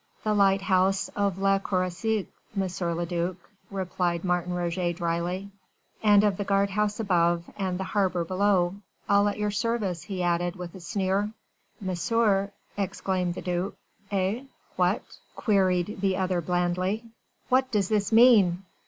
"The lighthouse of Le Croisic, M. le duc," replied Martin Roget dryly, "and of the guard house above and the harbour below. All at your service," he added, with a sneer. "Monsieur...." exclaimed the duc. "Eh? what?" queried the other blandly. "What does this mean?"